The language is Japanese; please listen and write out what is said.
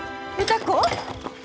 歌子。